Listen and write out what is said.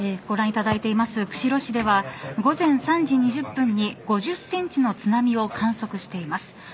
ご覧いただいている釧路市では午前１時３０分に５０センチの津波を観測しています。